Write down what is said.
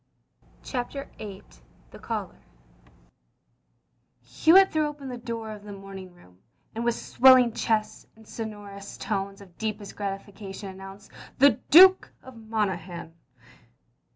CHAPTER VIII THE CALLER Hewitt threw open the door of the moming room, and with swelling chest and sonorous tones of deepest gratification announced, "The Duke of Monaghan."